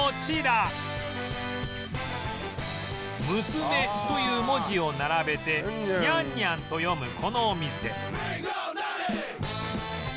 「娘」という文字を並べて「にゃんにゃん」と読むこのお店